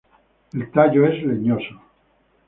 El tallo es leñoso.